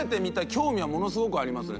興味はものすごくありますね。